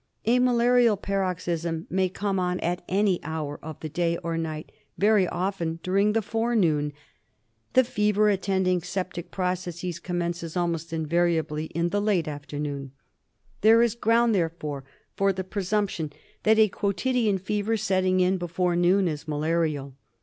A malarial paroxysm may come on at any hour of the day or night, very often during the forenoon. The fever attending septic processes commences almost invariably in the late afternoon. There is ground, therefore, for the presump tion that a quotidian fever setting in before noon is malarial.